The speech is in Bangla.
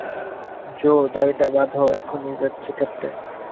জো, দড়িটা বাধো, এখনই যাচ্ছি ক্যাপ্টেন।